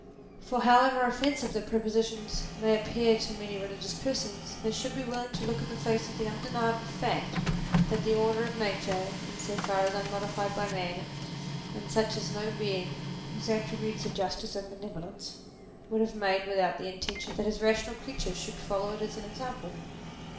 For however offensive the proposition may appear to many religious persons, they should be willing to look in the face the undeniable fact, that the order of nature, in so far as unmodified by man, is such as no being, whose attributes are justice and benevolence, would have made, with the intention that his rational creatures should follow it as an example.